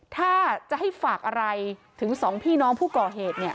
ถ้าจะให้ฝากอะไรถึงสองพี่น้องผู้ก่อเหตุเนี่ย